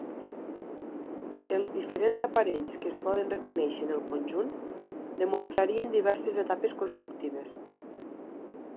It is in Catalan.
Els diferents aparells que es poden reconèixer en el conjunt demostrarien diverses etapes constructives.